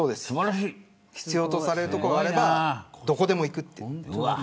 必要とされるところがあればどこでも行くと。